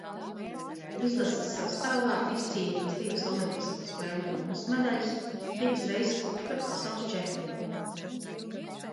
Izlases sastāvā izcīnījis divas olimpisko spēļu bronzas medaļas, divas reizes kļuvis par Pasaules čempionu.